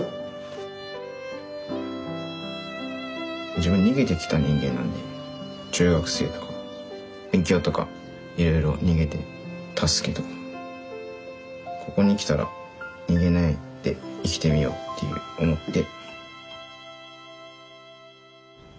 自分逃げてきた人間なんで中学生とか勉強とかいろいろ逃げてたすけどここに来たら逃げないで生きてみようって思って。